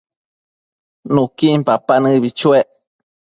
Nuquin papa nëbi chuec